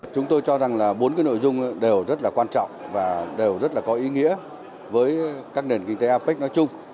chúng tôi cho rằng là bốn cái nội dung đều rất là quan trọng và đều rất là có ý nghĩa với các nền kinh tế apec nói chung